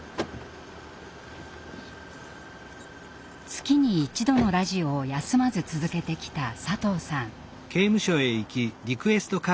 月に一度のラジオを休まず続けてきた佐藤さん。